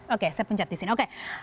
oke saya pencet di sini